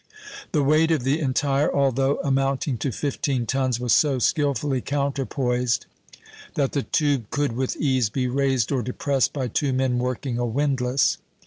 The weight of the entire, although amounting to fifteen tons, was so skilfully counterpoised, that the tube could with ease be raised or depressed by two men working a windlass.